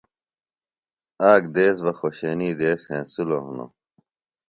آک دیس بہ خوشینی دیس ہینسِلوۡ ہِنوۡ